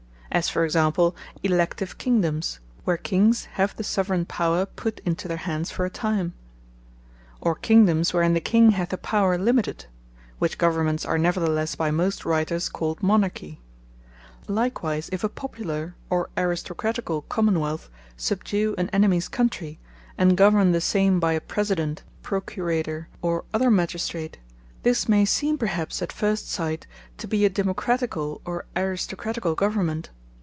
As for example, Elective Kingdomes; where Kings have the Soveraigne Power put into their hands for a time; of Kingdomes, wherein the King hath a power limited: which Governments, are nevertheless by most Writers called Monarchie. Likewise if a Popular, or Aristocraticall Common wealth, subdue an Enemies Countrie, and govern the same, by a President, Procurator, or other Magistrate; this may seeme perhaps at first sight, to be a Democraticall, or Aristocraticall Government.